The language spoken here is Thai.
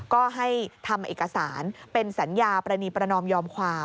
ก็ให้ทำเอกสารเป็นสัญญาปรณีประนอมยอมความ